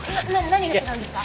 何が違うんですか？